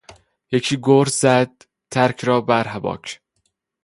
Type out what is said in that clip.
یکی گرز زد ترک را بر هباک